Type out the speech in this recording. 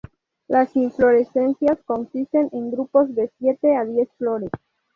Las inflorescencias consisten en grupos de siete a diez flores.